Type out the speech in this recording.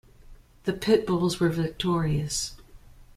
The Pitbulls were victorious.